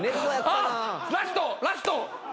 ラストラスト。